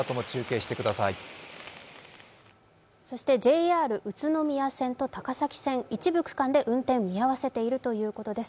ＪＲ宇都宮線と高崎線、一部区間で運転見合わせているということです。